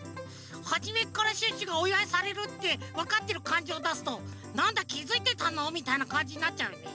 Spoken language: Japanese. はじめからシュッシュがおいわいされるってわかってるかんじをだすと「なんだきづいてたの」みたいなかんじになっちゃうよね。